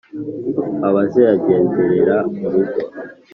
abazagenderera urugo